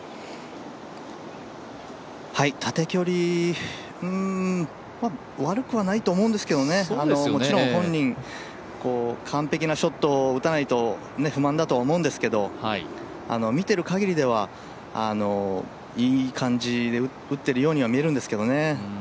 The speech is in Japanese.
縦距離、悪くはないと思うんですけど、もちろん本人、完璧なショットを打たないと不満だと思うんですけど、見ているかぎりではいい感じで打ってるようには見えるんですけど。